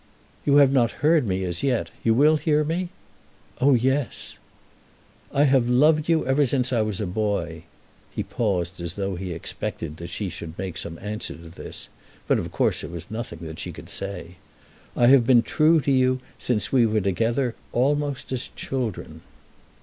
"You have not heard me as yet. You will hear me?" "Oh, yes." "I have loved you ever since I was a boy." He paused as though he expected that she would make some answer to this; but of course there was nothing that she could say. "I have been true to you since we were together almost as children."